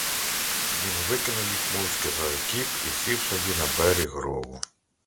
Він викинув їх мовчки за окіп і сів собі на беріг рову.